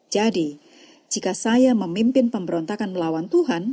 jadi jika saya memimpin pemberontakan melawan tuhan